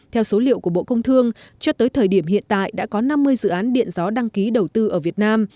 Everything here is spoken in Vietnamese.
theo số liệu của bộ công thương cho tới thời điểm hiện tại đã có năm mươi dự án điện gió đăng ký đầu tư ở việt nam